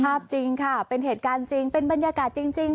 จริงค่ะเป็นเหตุการณ์จริงเป็นบรรยากาศจริง